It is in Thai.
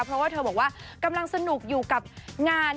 เพราะว่าเธอบอกว่ากำลังสนุกอยู่กับงาน